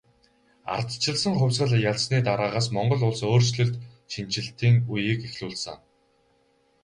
Ардчилсан хувьсгал ялсны дараагаас Монгол улс өөрчлөлт шинэчлэлтийн үеийг эхлүүлсэн.